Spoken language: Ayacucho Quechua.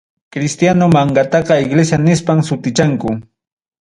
Cristiano mankataqa iglesia nispam sutichanku.